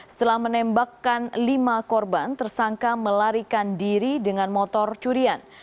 setelah menembakkan lima korban tersangka melarikan diri dengan motor curian